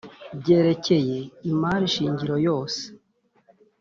byerekeye imari shingiro yose